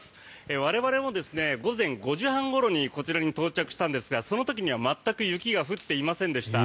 我々、午前５時半ごろにこちらに到着したんですがその時には全く雪が降っていませんでした。